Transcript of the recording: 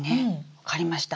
分かりました。